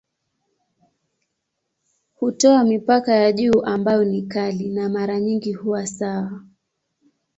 Hutoa mipaka ya juu ambayo ni kali na mara nyingi huwa sawa.